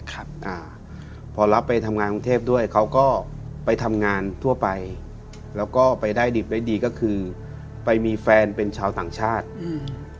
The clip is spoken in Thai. ครับอ่าพอรับไปทำงานกรุงเทพด้วยเขาก็ไปทำงานทั่วไปแล้วก็ไปได้ดิบได้ดีก็คือไปมีแฟนเป็นชาวต่างชาติอืม